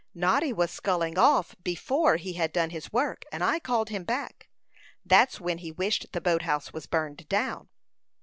Noddy was sculling off before he had done his work, and I called him back. That's when he wished the boat house was burned down."